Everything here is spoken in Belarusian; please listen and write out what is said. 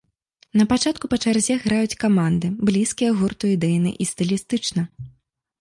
Напачатку па чарзе граюць каманды, блізкія гурту ідэйна і стылістычна.